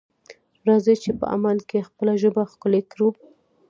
راځئ چې په عمل کې خپله ژبه ښکلې کړو.